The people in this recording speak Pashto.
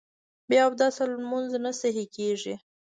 بې اودسه لمونځ نه صحیح کېږي